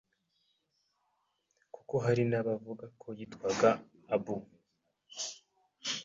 kuko hari n’abavuga ko yitwaga Abu Ali Al-Husayn